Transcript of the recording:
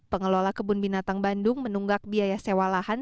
pengelola kebun binatang bandung menunggak biaya sewa lahan